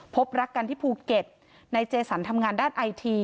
พบรักกันที่ภูเก็ตนายเจสันทำงานด้านไอที